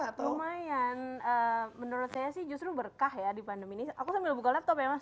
lumayan menurut saya sih justru berkah ya di pandemi ini aku sambil buka laptop ya mas